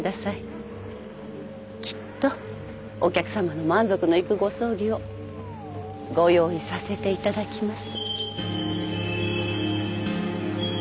きっとお客さまの満足のいくご葬儀をご用意させていただきます。